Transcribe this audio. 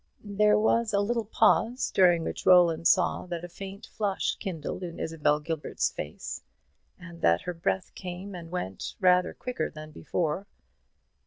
There was a little pause, during which Roland saw that a faint flush kindled in Isabel Gilbert's face, and that her breath came and went rather quicker than before.